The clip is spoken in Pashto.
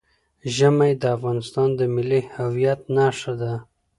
ژمی د افغانستان د ملي هویت نښه ده.